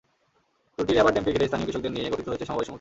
দুটি রাবার ড্যামকে ঘিরে স্থানীয় কৃষকদের নিয়ে গঠিত হয়েছে সমবায় সমিতি।